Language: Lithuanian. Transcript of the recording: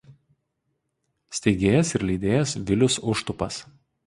Steigėjas ir leidėjas Vilius Užtupas.